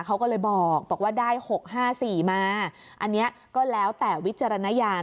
เขาก็เลยบอกว่าได้๖๕๔มาอันนี้ก็แล้วแต่วิจารณญาณ